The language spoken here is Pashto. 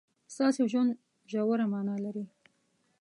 ستاسو ژوند ژوره مانا لري.